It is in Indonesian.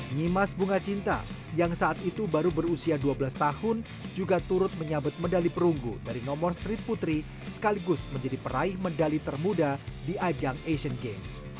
nyimas bunga cinta yang saat itu baru berusia dua belas tahun juga turut menyabet medali perunggu dari nomor street putri sekaligus menjadi peraih medali termuda di ajang asian games